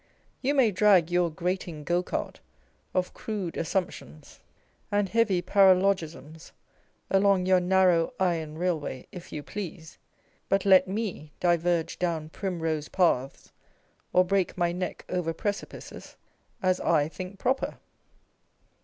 You may drag your grating go cart of crude assumptions and heavy 264 Tlie Neu School of Reform. paralogisms along your narrow iron railway, if you please : but let me diverge down " primrose paths," or break my neck over precipices, as I think proper.